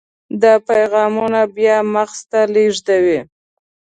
دا پیغامونه بیا مغز ته لیږدوي.